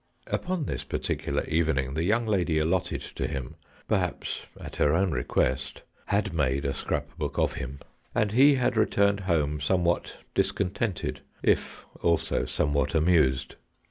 Upon this particular evening the young lady allotted to him, perhaps at her own request, had made a scrap book of him, and he had 113 (JHOST TALES. returned home somewhat discontented, if also somewhat amused.